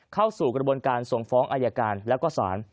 เข้าสู่กระบวนการส่งฟ้องอายการแล้วก็ศาล